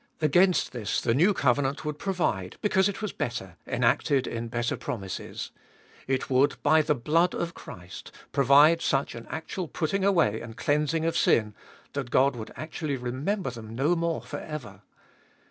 Against this the new covenant would provide, because it was better, enacted in better promises. It would, by the blood of Christ, provide such an actual putting away and cleansing of sin that God would actually remember them no more for ever.